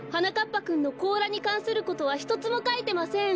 ぱくんのこうらにかんすることはひとつもかいてません。